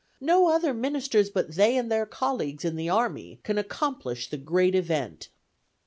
No other ministers but they and their colleagues in the army can accomplish the great event.